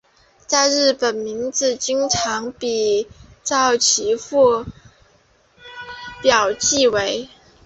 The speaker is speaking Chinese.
在日本名字经常比照其父表记为。